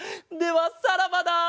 ではさらばだ！